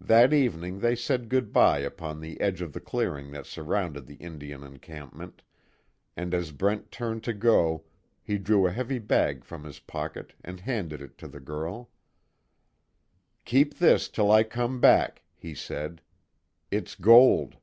That evening they said good bye upon the edge of the clearing that surrounded the Indian encampment, and as Brent turned to go he drew a heavy bag from his pocket and handed it to the girl, "Keep this till I come back," he said, "It's gold."